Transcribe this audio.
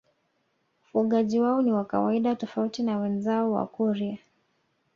Ufugaji wao ni wa kawaida tofauti na wenzao Wakurya